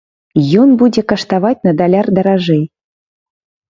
Ён будзе каштаваць на даляр даражэй.